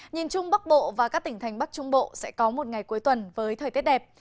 nhìn trung bắc bộ và các tỉnh thành bắc trung bộ sẽ có một ngày cuối tuần với thời tiết đẹp